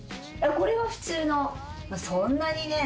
これは普通のそんなにね